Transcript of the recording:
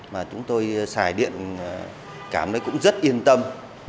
mà chúng tôi xài điện cảm thấy cũng rất yên tâm